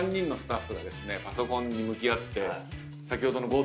パソコンに向き合って先ほどの。